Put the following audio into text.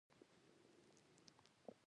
طالب راځي او دسترخوان د ملا لپاره غوړوي.